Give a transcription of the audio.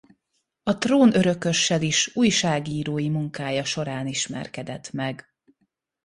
A trónörökössel is újságírói munkája során ismerkedett meg.